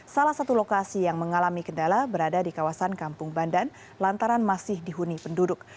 salah satu lokasi yang mengalami kendala berada di kawasan kampung bandan lantaran masih dihuni penduduk